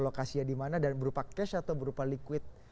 lokasinya dimana dan berupa cash atau berupa liquid